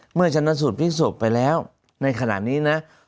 ชนะสูตรพลิกศพไปแล้วในขณะนี้นะ